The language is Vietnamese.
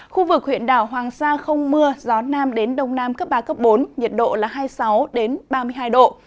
khu vực huyện đảo hoàng sa không mưa gió nam đến đông nam cấp ba cấp bốn nhiệt độ là hai mươi sáu ba mươi hai độ